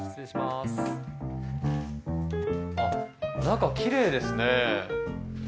中、きれいですね。